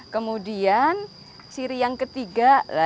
kemudian ciri yang ketiga